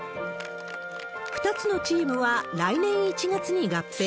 ２つのチームは来年１月に合併。